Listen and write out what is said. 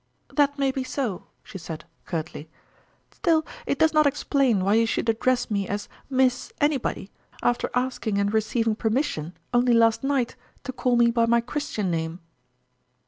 " That may be so," she said, curtly ;" still it does not explain why you should address me as Miss Anybody, after asking and re ceiving permission, only last night, to call me by my Christian name